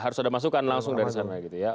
harus ada masukan langsung dari sana